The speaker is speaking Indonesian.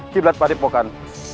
qiblat padep pokan